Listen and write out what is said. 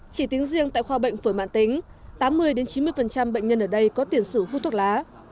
chỉ tính riêng tại khoa bệnh phổi mạng tính tám mươi chín mươi bệnh nhân ở đây có tiền sử hút thuốc lá